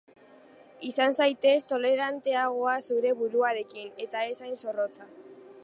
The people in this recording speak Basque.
Izan zaitez toleranteagoa zure buruarekin, eta ez hain zorrotza.